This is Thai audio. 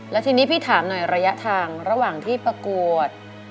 แล้วทีนี้พี่ถามหน่อยระยะทางระหว่างที่ประกวด